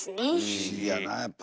不思議やなやっぱり。